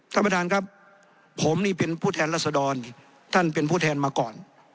ท่านประธานครับผมนี่เป็นผู้แทนรัศดรท่านเป็นผู้แทนมาก่อน